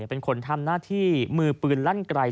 เป็นคนทำหน้าที่มือปืนลั่นไกล